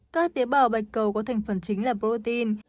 các tế bào bạch cầu có thành phần chính là protein